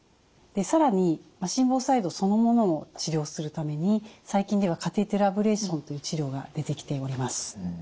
更に心房細動そのものを治療するために最近ではカテーテルアブレーションという治療が出てきております。